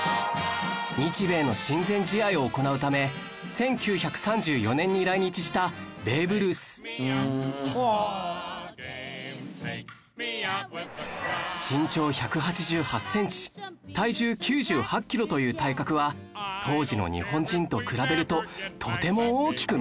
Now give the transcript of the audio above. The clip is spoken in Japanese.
日米の親善試合を行うため１９３４年に来日したベーブ・ルースという体格は当時の日本人と比べるととても大きく見えますね